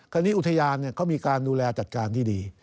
นี้อุทยานเขามีการดูแลจัดการที่ดี